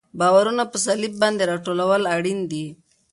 بارونه په سلب باندې راټولول اړین دي